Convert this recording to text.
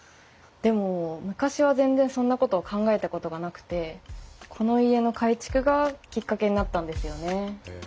でも昔は全然そんなことを考えたことがなくてこの家の改築がきっかけになったんですよね。